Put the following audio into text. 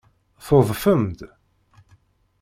Tudfem-d.